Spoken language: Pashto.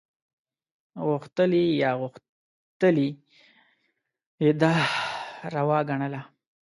غوښتلي یا ناغوښتلي یې دا روا ګڼله.